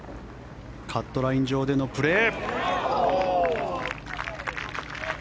カットライン上でのプレー。